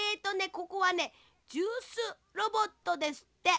ここはねジュースロボットですって。